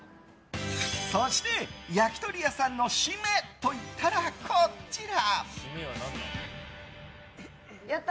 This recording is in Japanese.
そして焼き鳥屋さんの締めといったらこちら。